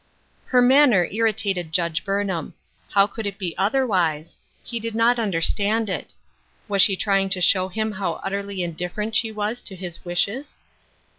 Her manner irritated Judge Burnham. How could it be otherwise ? He did not understand it. Was she trying to show him how utterly indif ferent she was to his wishes